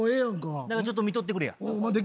だからちょっと見とってくれや。